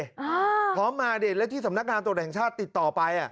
เธอพร้อมมาดิและที่สำนักงานโตรแห่งชาติติดต่อไป